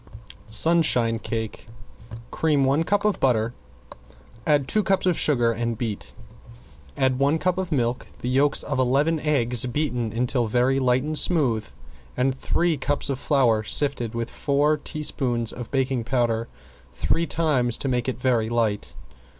~SUNSHINE CAKE~ Cream one cup of butter, add two cups of sugar and beat, add one cup of milk, the yolks of eleven eggs beaten until very light and smooth, and three cups of flour sifted with four teaspoons of baking powder three times to make it very light.